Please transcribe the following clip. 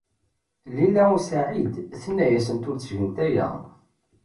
Lila u Saɛid tenna-asent ur ttgent aya.